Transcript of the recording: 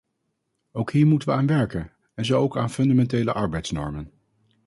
Ook hier moeten we aan werken, en zo ook aan fundamentele arbeidsnormen.